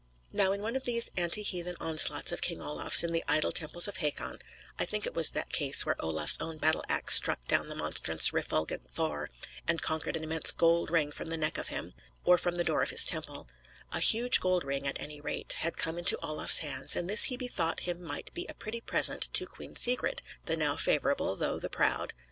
Now, in one of these anti heathen onslaughts of King Olaf's on the idol temples of Hakon (I think it was that case where Olaf's own battle axe struck down the monstrous refulgent Thor, and conquered an immense gold ring from the neck of him, or from the door of his temple) a huge gold ring, at any rate, had come into Olaf's hands; and this he bethought him might be a pretty present to Queen Sigrid, the now favorable, though the proud.